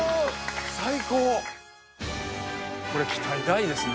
最高これ期待大ですね